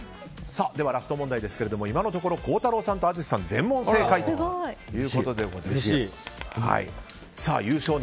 ラスト問題ですが今のところ孝太郎さんと淳さんが全問正解ということです。